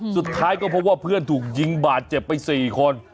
สุดท้ายก็พบว่าเพื่อนถูกยิงบาดเจ็บไป๔คน